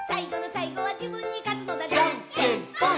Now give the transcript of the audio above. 「じゃんけんぽん！！」